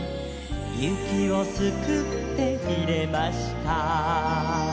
「雪をすくって入れました」